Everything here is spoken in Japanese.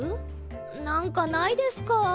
なんかないですか？